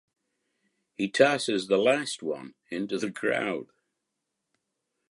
He tosses the last one into the crowd.